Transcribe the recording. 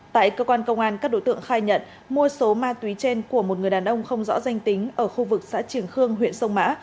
tại cơ quan công an các đối tượng khai nhận mua số ma túy trên của một người đàn ông không rõ danh tính ở khu vực xã trường khương huyện sông mã